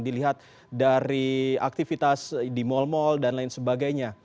dilihat dari aktivitas di mal mal dan lain sebagainya